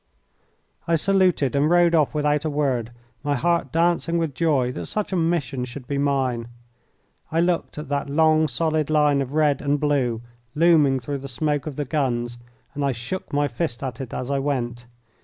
I saluted and rode off without a word, my heart dancing with joy that such a mission should be mine. I looked at that long, solid line of red and blue looming through the smoke of the guns, and I shook my fist at it as I went.